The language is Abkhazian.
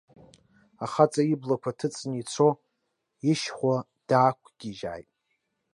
Ахаҵа, иблақәа ҭыҵны ицо, ишьхәа даақәгьежьит.